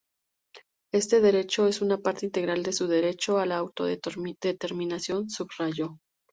Este derecho es una parte integral de su derecho a la autodeterminación", subrayó.